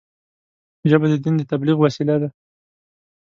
ژبه د دین د تبلیغ وسیله ده